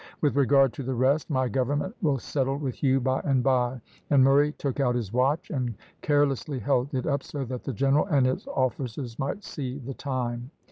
With regard to the rest, my government will settle with you by and by," and Murray took out his watch, and carelessly held it up, so that the general and his officers might see the time.